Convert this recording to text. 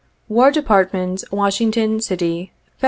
"■ War Department, Washington City, Feb.